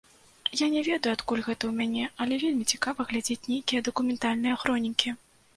Я не ведаю, адкуль гэта ў мяне, але вельмі цікава глядзець нейкія дакументальныя хронікі.